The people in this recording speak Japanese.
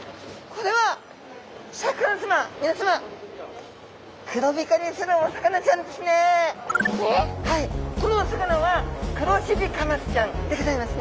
はいこのお魚はクロシビカマスちゃんでギョざいますね。